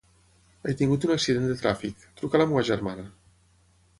He tingut un accident de tràfic; truca a la meva germana.